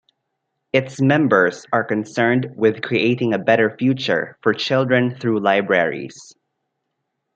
Its members are concerned with creating a better future for children through libraries.